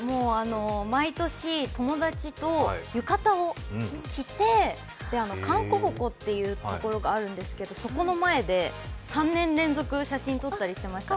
毎年、友達と浴衣を着て、函谷鉾ってとこがあるんですけどそこの前で３年連続、写真撮ったりしていました。